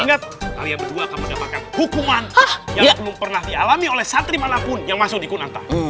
anggap kalian berdua akan mendapatkan hukuman yang belum pernah dialami oleh santri manapun yang masuk di kunanta